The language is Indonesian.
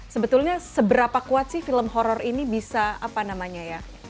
sebetulnya seberapa kuat sih film horror ini bisa apa namanya ya